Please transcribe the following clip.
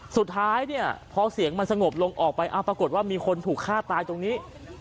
สุดท้ายเนี่ยพอเสียงมันสงบลงออกไปปรากฏว่ามีคนถูกฆ่าตายตรงนี้